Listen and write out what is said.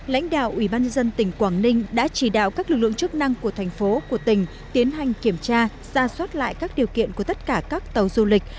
lãnh đạo ủy ban dân tỉnh quảng ninh đã chỉ đạo các lực lượng chức năng của thành phố của tỉnh tiến hành kiểm tra ra soát lại các điều kiện của tất cả các tàu du lịch